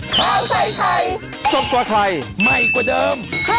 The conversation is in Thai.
โปรดติดตามตอนต่อไป